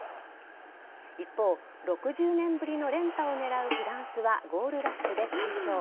一方、６０年ぶりの連覇を狙うフランスはゴールラッシュで快勝。